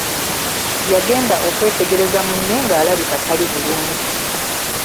Yagenda okwetegereza munne ng'alabika tali bulungi.